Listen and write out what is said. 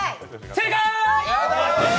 正解！